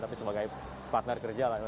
tapi sebagai partner kerja lah